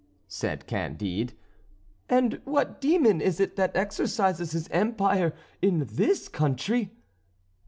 said Candide; "and what demon is it that exercises his empire in this country?"